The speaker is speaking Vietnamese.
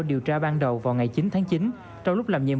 điều trị cứu trợ bệnh nhân của các bệnh viện